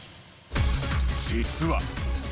［実は］